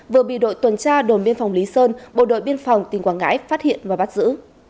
vừa bị đội tuần tra đồn biên phòng lý sơn bộ đội biên phòng tỉnh quảng ngãi phát hiện và bắt giữ